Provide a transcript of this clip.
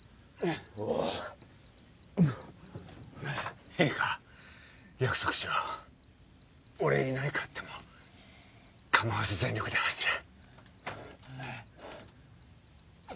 おういいか約束しろ俺に何かあっても構わず全力で走れ